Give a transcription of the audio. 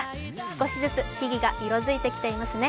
少しずつ木々が色づいてきていますね。